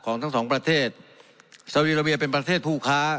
ทั้งสองประเทศซาวดีราเวียเป็นประเทศผู้ค้า